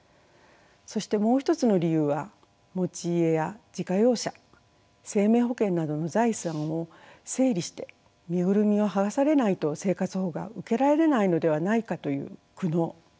そしてもう一つの理由は持ち家や自家用車生命保険などの財産を整理して身ぐるみを剥がされないと生活保護が受けられないのではないかという苦悩。